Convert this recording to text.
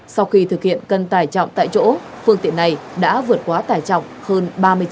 sau khi thực hiện cân tải trọng tại chỗ phương tiện này đã vượt quá tải trọng hơn ba mươi chín